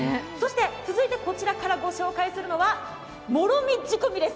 続いてこちらからご紹介するのはもろみ仕込みです。